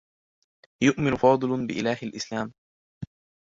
يؤمن فاضل بإله الإسلام.